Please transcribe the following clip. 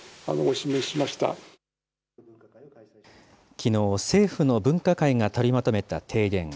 きのう、政府の分科会が取りまとめた提言。